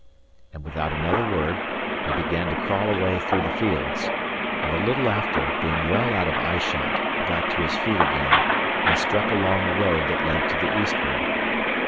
And without another word, he began to crawl away through the fields; and a little after, being well out of eye shot, got to his feet again, and struck along a road that led to the eastward.